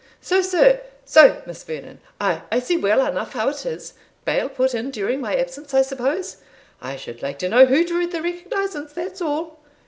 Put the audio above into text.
"So, sir so, Miss Vernon ay, I see well enough how it is bail put in during my absence, I suppose I should like to know who drew the recognisance, that's all.